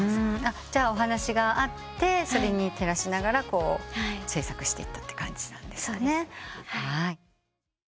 じゃあお話があってそれに照らしながら制作していった感じなんですね。